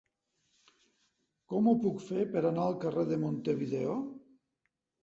Com ho puc fer per anar al carrer de Montevideo?